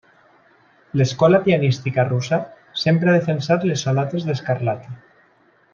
L'escola pianística russa sempre ha defensat les sonates de Scarlatti.